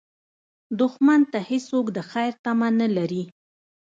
دښمن ته هېڅوک د خیر تمه نه لري